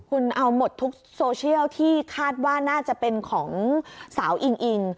คุณเอาหมดทุกโซเชียลที่คาดว่าน่าจะเป็นของสาวอิงอิง